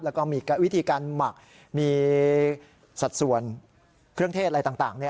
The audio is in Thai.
แล้วก็มีวิธีการหมักมีสัดส่วนเครื่องเทศอะไรต่าง